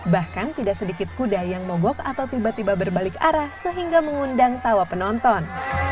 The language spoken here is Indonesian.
bahkan tidak sedikit kuda yang mogok atau tiba tiba berbalik arah sehingga mengundang tawa penonton